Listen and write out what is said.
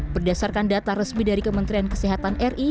berdasarkan data resmi dari kementerian kesehatan ri